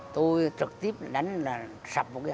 tôi trực tiếp đánh là sập một cái hỏa